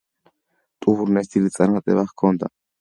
ტურნეს დიდი წარმატება ჰქონდა.